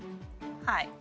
はい。